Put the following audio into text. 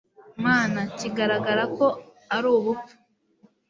Mana kigaragara ko ari ubupfu